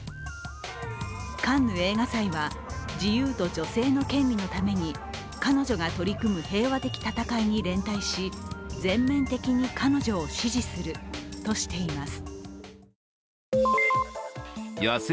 カンヌ映画祭は、自由と女性の権利のために彼女が取り組む平和的戦いに連帯し、全面的に彼女を支持するとしています。